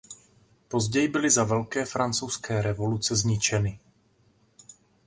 Později byly za Velké francouzské revoluce zničeny.